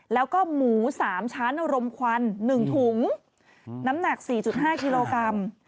แล้วก็หมู๓ชั้นอารมณ์ควัน๑ถุงน้ำหนัก๔๕กิโลกรัม